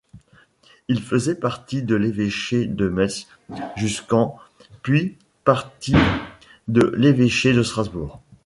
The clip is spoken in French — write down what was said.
Il faisait partie de l'Évêché de Metz jusqu'en puis partie de l'Évêché de Strasbourg.